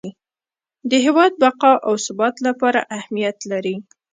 د هیواد بقا او ثبات لپاره اهمیت لري.